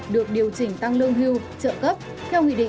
được điều chỉnh tăng lương hưu trợ cấp